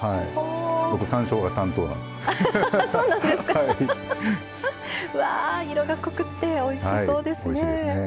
僕、さんしょうが担当なんです。